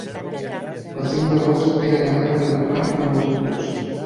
el cinc d'agost he d'anar a Vilafant amb autobús.